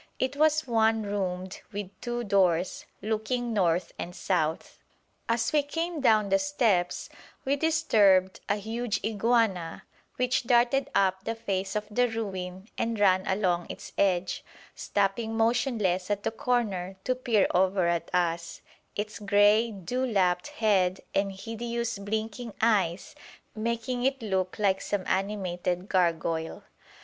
It was one roomed with two doors, looking north and south. As we came down the steps we disturbed a huge iguana, which darted up the face of the ruin and ran along its edge, stopping motionless at the corner to peer over at us, its grey dewlapped head and hideous blinking eyes making it look like some animated gargoyle.